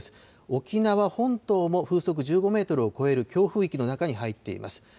沖縄本島も風速１５メートルを超える強風域の中に入っています。